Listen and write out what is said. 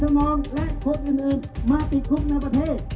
มองและคนอื่นมาติดคุกในประเทศ